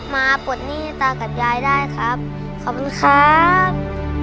ปลดหนี้ตากับยายได้ครับขอบคุณครับ